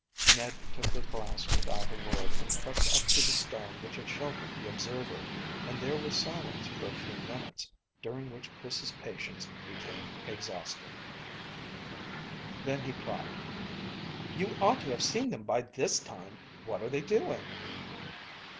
Ned took the glass without a word and crept up to the stone which had sheltered the observer, and there was silence for a few minutes, during which Chris's patience became exhausted. Then he cried "You ought to have seen them by this time. What are they doing?"